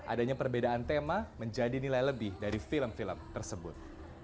adanya perbedaan tema menjadi nilai lebih dari film film tersebut